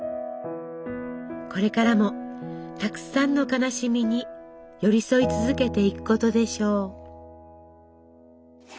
これからもたくさんの悲しみに寄り添い続けていくことでしょう。